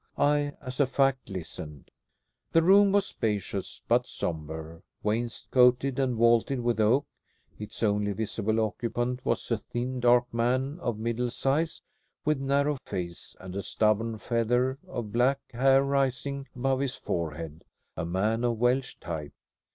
I, as a fact, listened. The room was spacious, but sombre, wainscoted and vaulted with oak. Its only visible occupant was a thin, dark man of middle size, with a narrow face, and a stubborn feather of black hair rising above his forehead; a man of Welsh type.